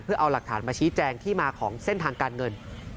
เพื่อเอาหลักฐานมาชี้แจงที่มาของเส้นทางการเงิน